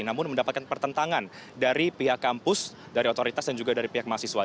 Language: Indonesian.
namun mendapatkan pertentangan dari pihak kampus dari otoritas dan juga dari pihak mahasiswa